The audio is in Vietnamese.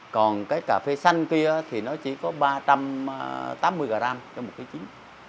còn cái cà phê xanh kia thì nó chỉ có ba trăm tám mươi gram cho một cái chín